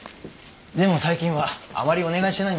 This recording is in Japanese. でも最近はあまりお願いしてないんですよ。